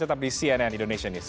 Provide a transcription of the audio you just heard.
tetap di cnn indonesia news